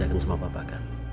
tentang apa yang terjadi